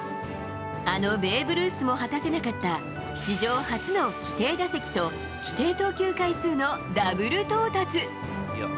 あのベーブ・ルースも果たせなかった史上初の規定打席と規定投球回数のダブル到達。